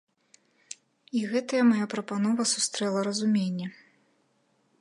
І гэтая мая прапанова сустрэла разуменне.